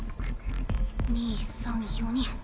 ２３４人。